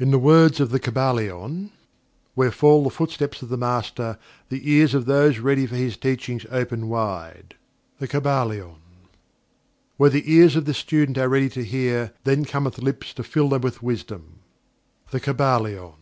In the words of "THE KYBALION": "Where fall the footsteps of the Master, the ears of those ready for his Teaching open wide." The Kybalion. "When the ears of the student are ready to hear, then cometh the lips to fill them with Wisdom." The Kybalion.